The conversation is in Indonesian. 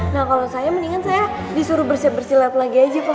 nah kalau saya mendingan saya disuruh bersih bersih lab lagi aja pak